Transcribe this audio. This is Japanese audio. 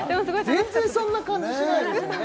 全然そんな感じしないですよね